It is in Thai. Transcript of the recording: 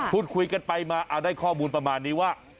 พูดคุยกันไปมาเอาได้ข้อมูลประมาณนี้ว่า